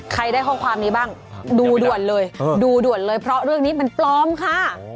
ใครใดข้อความนี้บ้างดูด่วนเลยเพราะว่าเรื่องนี้มันปลอมค่ะ